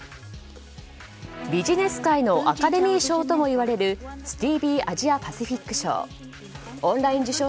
ビジネス界のアカデミー賞ともいわれるスティービー・アジア・パシフィック賞。